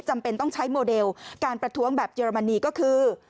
จำเป็นต้องใช้โมเดลการประท้วงแบบเยอรมนีก็คือ